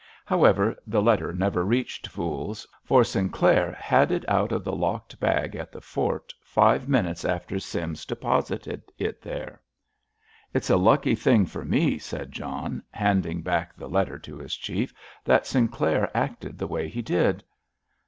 However, the letter never reached Voules, for Sinclair had it out of the locked bag at the fort five minutes after Sims deposited it there." "It's a lucky thing for me," John said, handing back the letter to his Chief, "that Sinclair acted the way he did."